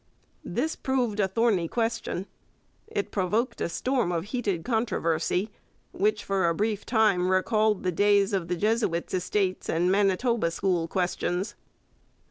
This proved a thorny question. It provoked a storm of heated controversy which for a brief time recalled the days of the Jesuits' Estates and Manitoba school questions.